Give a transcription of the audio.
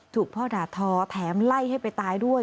ถูกพ่อด่าทอแถมไล่ให้ไปตายด้วย